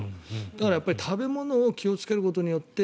だから食べ物を気をつけることによって